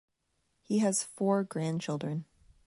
He has four grandchildren.